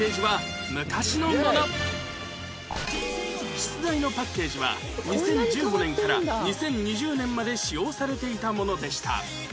出題のパッケージは２０１５年から２０２０年まで使用されていたものでした